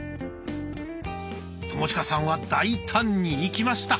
友近さんは大胆にいきました。